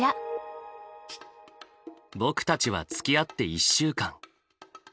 僕たちはつきあって１週間。